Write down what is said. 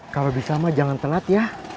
kalau bisa ma jangan tenat ya